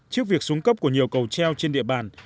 trước việc súng cấp của nhiều cầu treo trên địa bàn